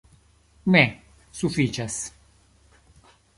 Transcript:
Ne, sufiĉas!